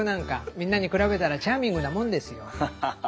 みんなに比べたらチャーミングなもんですよ。ハハハ。